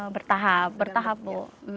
bertahap bertahap bu